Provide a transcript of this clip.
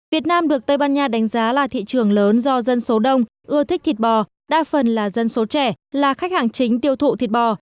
việt nam được tây ban nha đánh giá là thị trường lớn do dân số đông ưa thích thịt bò đa phần là dân số trẻ là khách hàng chính tiêu thụ thịt bò